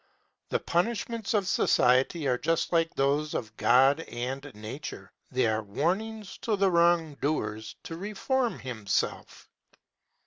The punishments of society are just like those of God and Nature they are warnings to the wrong doer to reform himself.